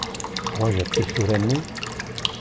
Teḥwajeḍ tisura-nni?